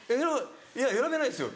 いや選べないですよ